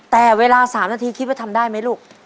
แต่เวลา๓นาทีคิดว่าทำได้ไหมลูก